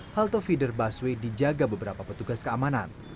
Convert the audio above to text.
halte feeder busway dijaga beberapa petugas keamanan